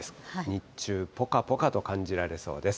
日中、ぽかぽかと感じられそうです。